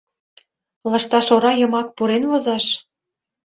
Лышташ ора йымак пурен возаш?